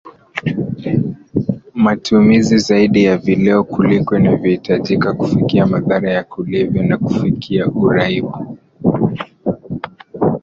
matumizi zaidi ya vileo kuliko inavyohitajika kufikia madhara ya kulevya na kufikia uraibu